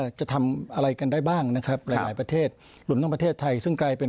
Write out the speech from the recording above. จะทำอะไรกันได้บ้างนะครับหลายหลายประเทศหลุนทั้งประเทศไทยซึ่งกลายเป็น